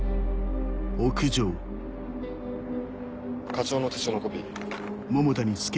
課長の手帳のコピー。